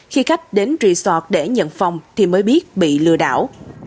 khi khách đến resort để nhận phòng thì mới biết bị lừa đảo